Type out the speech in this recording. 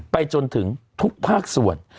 จนถึงทุกภาคส่วน